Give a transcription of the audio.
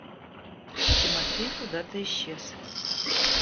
Тимофей куда-то исчез.